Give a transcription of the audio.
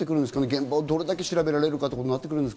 現場をどれだけ調べられるか。